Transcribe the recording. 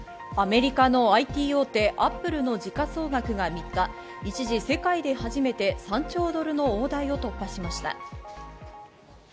アメリカのＩＴ大手・アップルの時価総額が３日、一時、世界で初めて３兆ドルの大台を突破しました。